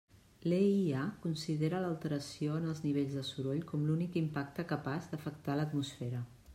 L'EIA considera l'alteració en els nivells de soroll com l'únic impacte capaç d'afectar l'atmosfera.